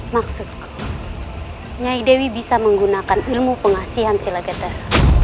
maksudku nyai dek bisa menggunakan ilmu pengasihan sila getar